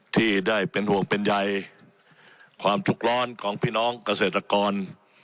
ที่ได้เป็นห่วงเป็นใยความทุกข์ร้อนของพี่น้องเกษตรกร